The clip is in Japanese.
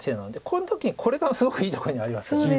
この時にこれがすごくいいところにありますよね。